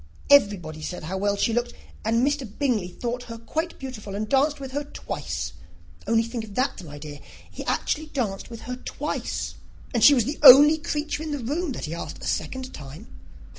Everybody said how well she looked; and Mr. Bingley thought her quite beautiful, and danced with her twice. Only think of that, my dear: he actually danced with her twice; and she was the only creature in the room that he asked a second time.